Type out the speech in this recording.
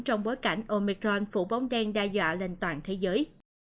trong bối cảnh omicron phụ bóng đen đa dọa lên toàn thế giới